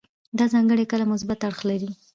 دا ځانګړنې کله مثبت اړخ اخلي.